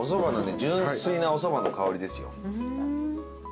純粋なおそばの香りですよ。